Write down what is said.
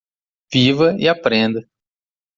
Viva e aprenda.